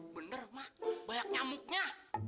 bener mah banyak nyamuknya